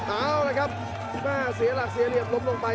เอาเลยครับเสียหลักเสียเรียบล้มลงไป